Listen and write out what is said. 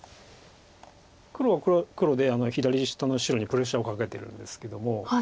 黒は黒で左下の白にプレッシャーをかけてるんですけども。